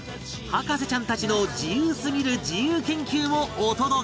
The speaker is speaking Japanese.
博士ちゃんたちの自由すぎる自由研究をお届け